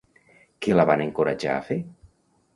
Què la van encoratjar a fer?